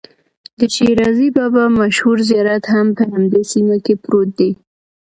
د شیرازي بابا مشهور زیارت هم په همدې سیمه کې پروت دی.